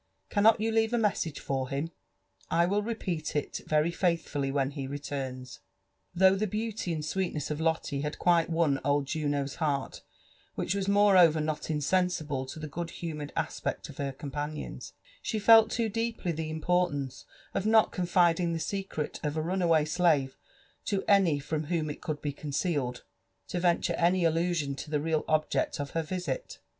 Cannot you leave a message for him? I will repeat it very faithfully when he returns." Though the beauty and sweetness of Lotte had quite won old Juno's heart, which was morjeover not insensible to the good humoured as* peel of her companions, she felt loo dee'ply the importance of not con fiding the secret of a runaway slave to any from whom it could be concealed, to venture any allusion to the real object of her visit.